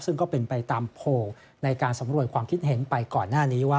ซึ่งก็เป็นไปตามโพลในการสำรวจความคิดเห็นไปก่อนหน้านี้ว่า